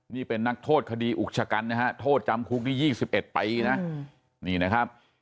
นี่เป็นนักโทษคดีอุกชะกันนะฮะโทษจำคุกนี่๒๑ปีนะนี่นะครับ